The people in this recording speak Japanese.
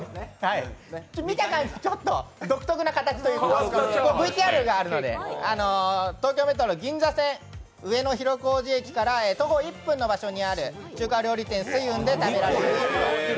見た感じ、ちょっと独特な形というか、ＶＴＲがあるので東京メトロ・銀座線上野広小路駅から徒歩１分の場所にある中華料理店、翠雲で食べられる。